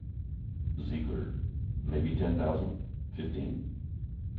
Ziegler: Maybe ten thousand - fifteen?